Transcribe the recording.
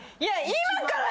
今から。